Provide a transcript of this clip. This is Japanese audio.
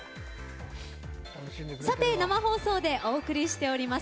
生放送でお送りしております